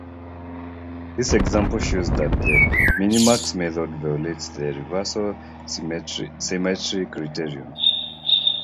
This example shows that the Minimax method violates the Reversal symmetry criterion.